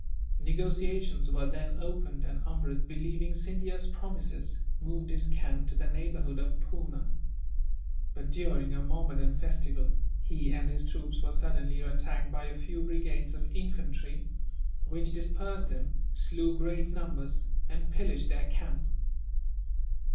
Negotiations were then opened, and Amrud, believing Scindia's promises, moved his camp to the neighbourhood of Poona. But, during a Mahommedan festival, he and his troops were suddenly attacked by a few brigades of infantry; which dispersed them, slew great numbers, and pillaged their camp.